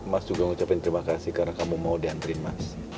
mas juga mau ucapkan terima kasih karena kamu mau diantrin mas